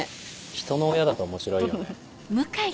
人の親だと面白いよね。